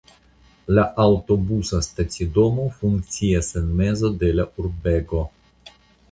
La aŭtobusa stacidomo funkcias en mezo de la urbego.